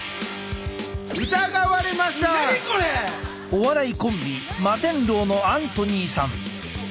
お笑いコンビマテンロウのアントニーさん。